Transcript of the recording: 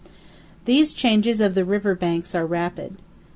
These changes of the river banks are often rapid.